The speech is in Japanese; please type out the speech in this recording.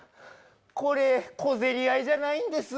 これ小競り合いじゃないんです。